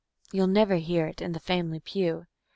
(You'll never hear it in the family pew.)